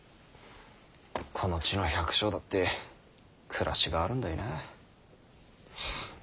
この地の百姓だって暮らしがあるんだいなあ。